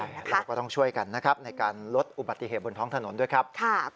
เราก็ต้องช่วยกันนะครับในการลดอุบัติเหตุบนท้องถนนด้วยครับ